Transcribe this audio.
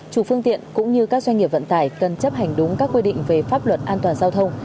chủ phương tiện cũng như các doanh nghiệp vận tải cần chấp hành đúng các quy định về pháp luật an toàn giao thông